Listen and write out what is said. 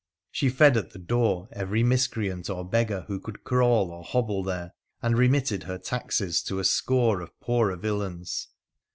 She fe< at the door every miscreant or beggar who could crawl o hobble there, and remitted her taxes to a score of poore villains.